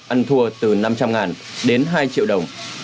ăn thua từ năm trăm linh đến hai triệu đồng